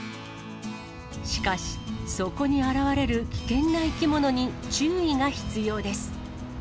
しかし、そこに現れる危険な生き物に注意が必要です。